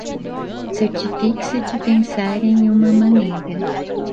Certifique-se de pensar em uma maneira